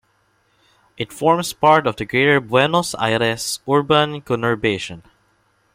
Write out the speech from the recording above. It forms part of the Greater Buenos Aires urban conurbation.